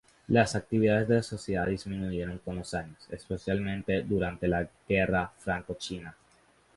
Las actividades de la sociedad disminuyeron con los años, especialmente durante la guerra franco-china.